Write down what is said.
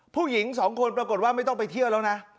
ผู้หญิงสองคนปรากฏว่าไม่ต้องไปเที่ยวแล้วนะ